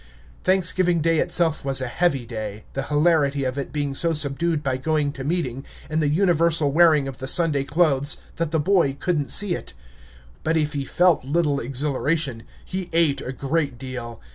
Thanksgiving Day itself was a heavy dav, the hilarity of it being so subdued by going to meeting, and the universal wearing of the Sunday clothes, that the boy could n't see it. But if he felt little exhilaration, he ate a great deal.